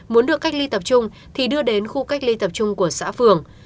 muốn được cách ly tập trung thì đưa đến khu cách ly tập trung của xã phường